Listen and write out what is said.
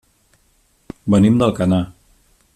Venim d'Alcanar.